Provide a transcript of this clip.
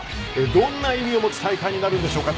どんな意味を持つ大会になるんでしょうか？